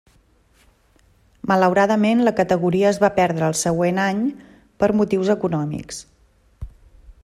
Malauradament la categoria es va perdre al següent any per motius econòmics.